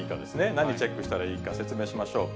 何チェックしたらいいか、説明しましょう。